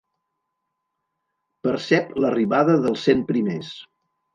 Percep l'arribada dels cent primers.